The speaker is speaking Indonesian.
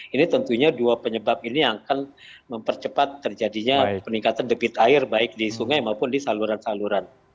ini tentunya dua penyebab ini yang akan mempercepat terjadinya peningkatan debit air baik di sungai maupun di saluran saluran